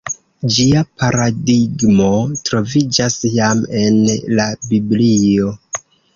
Ĝia paradigmo troviĝas jam en la Biblio.